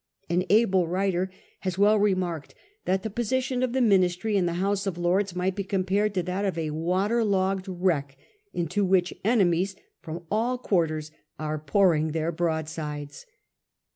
An able writer has well remarked that the position of the Ministry in the House of Lords might be compared to that of a water logged wreck into which enemies from all quarters are pouring their broadsides.